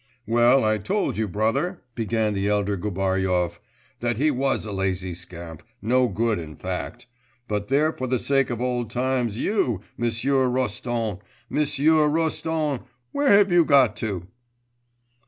'Well, I told you, brother,' began the elder Gubaryov, 'that he was a lazy scamp, no good in fact! But there, for the sake of old times, you ... M'sieu Roston, M'sieu Roston!... Where have you got to?